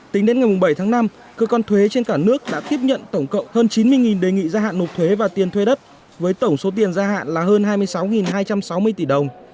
tính đến ngày bảy tháng năm cơ quan thuế trên cả nước đã tiếp nhận tổng cộng hơn chín mươi đề nghị gia hạn nộp thuế và tiền thuê đất với tổng số tiền gia hạn là hơn hai mươi sáu hai trăm sáu mươi tỷ đồng